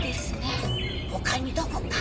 他にどこか。